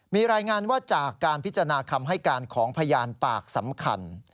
มีรายงานว่าจากการพิจารณาคำให้การของพยานปากสำคัญ